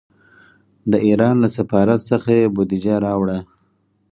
د ایران له سفارت څخه یې بودجه راوړه.